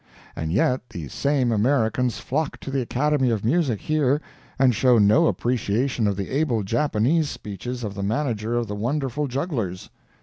And yet these same Americans flock to the Academy of Music here and show no appreciation of the able Japanese speeches of the manager of the wonderful jugglers.